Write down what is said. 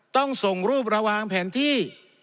ต้องส่งรูประวางแผนที่